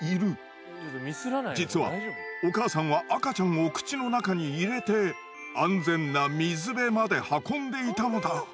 実はお母さんは赤ちゃんを口の中に入れて安全な水辺まで運んでいたのだ。